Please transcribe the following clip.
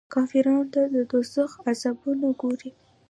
کافرانو ته د دوږخ عذابونه ګوري.